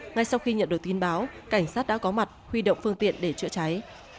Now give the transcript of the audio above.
ngay sau khi nhận được tin báo cảnh sát đã có mặt huy động phương tiện để chữa cháy